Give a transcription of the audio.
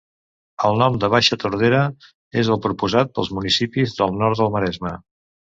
El nom de Baixa Tordera és el proposat pels municipis del nord del Maresme.